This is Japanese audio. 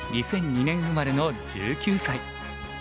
２００２年生まれの１９歳。